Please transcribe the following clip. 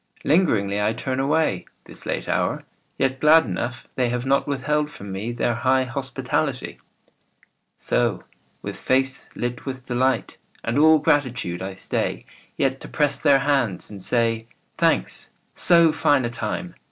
Lingeringly I turn away, This late hour, yet glad enough They have not withheld from me Their high hospitality. So, with face lit with delight And all gratitude, I stay Yet to press their hands and say, "Thanks. So fine a time